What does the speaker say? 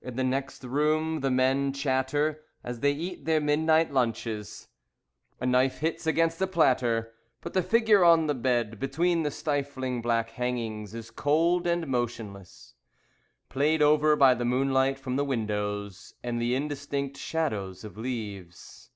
In the next room, the men chatter As they eat their midnight lunches. A knife hits against a platter. But the figure on the bed Between the stifling black hangings Is cold and motionless, Played over by the moonlight from the windows And the indistinct shadows of leaves.